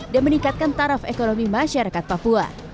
dan meningkatkan taraf ekonomi masyarakat papua